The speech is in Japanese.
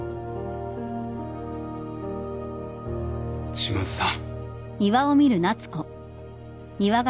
嶋津さん。